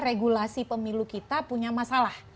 regulasi pemilu kita punya masalah